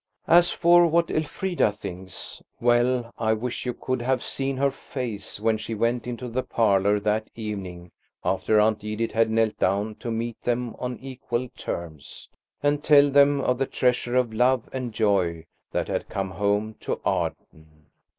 As for what Elfrida thinks–well, I wish you could have seen her face when she went into the parlour that evening after Aunt Edith had knelt down to meet them on equal terms, and tell them of the treasure of love and joy that had come home to Arden.